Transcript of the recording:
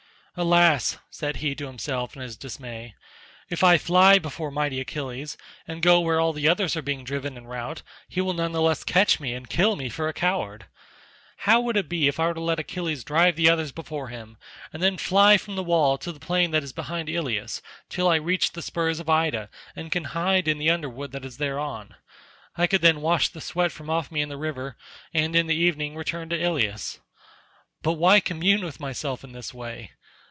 "Alas," said he to himself in his dismay, "if I fly before mighty Achilles, and go where all the others are being driven in rout, he will none the less catch me and kill me for a coward. How would it be were I to let Achilles drive the others before him, and then fly from the wall to the plain that is behind Ilius till I reach the spurs of Ida and can hide in the underwood that is thereon? I could then wash the sweat from off me in the river and in the evening return to Ilius. But why commune with myself in this way?